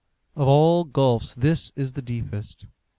Of all gulfs this is the deepest.